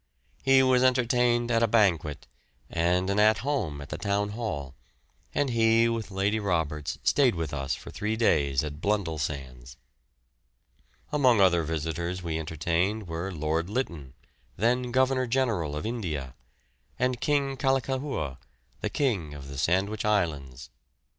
He was entertained at a banquet, and an At Home at the Town Hall, and he with Lady Roberts stayed with us for three days at Blundellsands. Among other visitors we entertained were Lord Lytton, then Governor General of India; and King Kallikahua, the King of the Sandwich Islands.